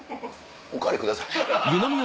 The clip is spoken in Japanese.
お代わりください。